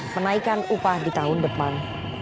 menaikkan upah di tahun depan